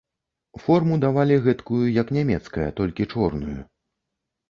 Форму давалі, гэткую, як нямецкая, толькі чорную.